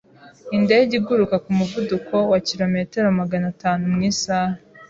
Indege iguruka ku muvuduko wa kilometero magana atanu mu isaha.